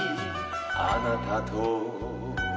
「あなたと」